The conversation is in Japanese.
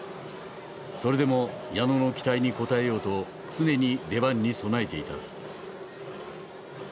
それでも矢野の期待に応えようと常に出番に備えていた。